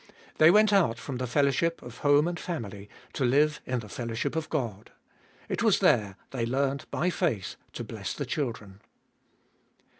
They went out from the fellowship of home and family, to live in the fellowship of God. It was there they learned by faith to bless the children.